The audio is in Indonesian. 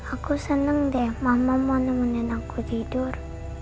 aku seneng deh mama mau temanin aku tidur